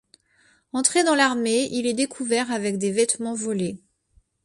Entré dans l'armée, il est découvert avec des vêtements volés.